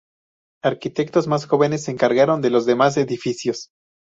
Arquitectos más jóvenes se encargaron de los demás edificios.